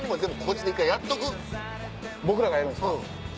僕らがやるんすか。